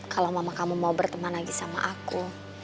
kalau mama kamu mau berteman lagi sama aku